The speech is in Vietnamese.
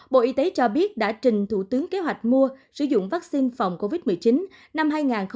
bộ y tế cho biết đã trình thủ tướng kế hoạch mua sử dụng vaccine phòng covid một mươi chín năm hai nghìn hai mươi một hai nghìn hai mươi hai